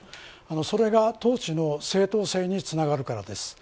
それが統治の正当性につながるからです。